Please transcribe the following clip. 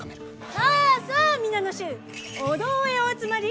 さあさあ皆の衆お堂へお集まり！